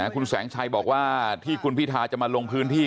คุณแสงชัยบอกว่าที่คุณพิทาจะมาลงพื้นที่